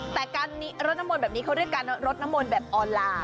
แต่การรดน้ำมนต์แบบนี้เขาเรียกการรดน้ำมนต์แบบออนไลน์